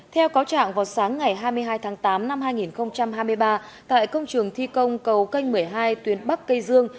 theo cáo trạng vào sáng ngày hai mươi hai tháng tám năm hai nghìn hai mươi ba tại công trường thi công cầu canh một mươi hai tuyến bắc cây dương